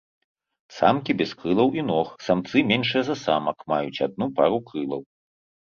Самкі без крылаў і ног, самцы меншыя за самак, маюць адну пару крылаў.